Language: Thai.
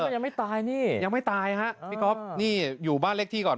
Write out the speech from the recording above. ยังไม่ตายนี่ยังไม่ตายฮะพี่ก๊อฟนี่อยู่บ้านเลขที่ก่อน